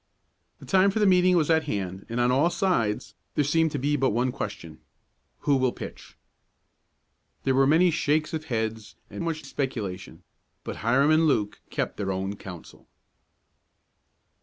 The time for the meeting was at hand and on all sides there seemed to be but one question: "Who will pitch?" There were many shakes of heads and much speculation, but Hiram and Luke kept their own counsel.